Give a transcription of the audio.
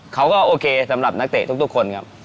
เขาก็โอเคสำหรับนักเตะทุกคนครับ